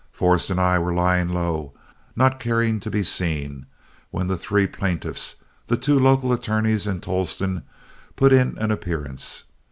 Forrest and I were lying low, not caring to be seen, when the three plaintiffs, the two local attorneys, and Tolleston put in an appearance.